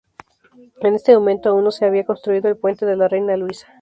En este momento, aún no se había construido el Puente de la Reina Luisa.